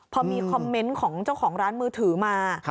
พอมีคอมเมนต์ของเจ้าของร้านมือถือมา